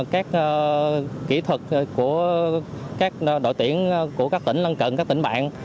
các kỹ thuật của các đội tuyển của các tỉnh lân cận các tỉnh bạn